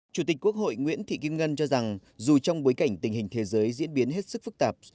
chủ tịch quốc hội nguyễn thị kim ngân cho rằng dù trong bối cảnh tình hình thế giới diễn biến hết sức phức tạp